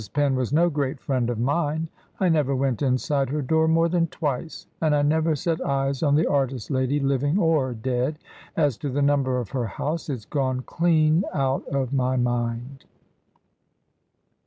Penn was no great friend of mine. I never went inside her door more than twice, and I never set eyes on the artist lady, living or dead. As to the number of her house, it's gone clean out of my mind!"